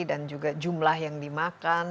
dan juga jumlah yang dimakan